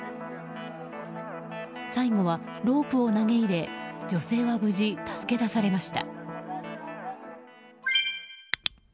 最後はロープを投げ入れ女性は無事助け出されました。